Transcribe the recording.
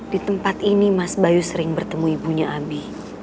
di tempat ini mas bayu sering bertemu ibunya ami